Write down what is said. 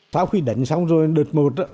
sau khi đánh xong rồi đợt một